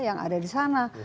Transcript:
yang ada di sana